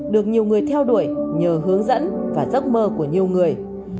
được nhiều người theo đuổi nhờ hướng dẫn và giấc mơ của nhiều người